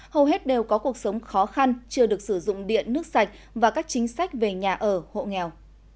hầu hết đều có cuộc sống khó khăn chưa được sử dụng điện nước sạch và các chính sách về nhà ở hộ nghèo